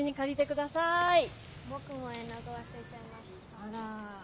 あら。